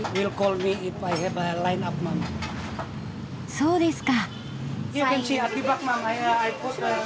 そうですか。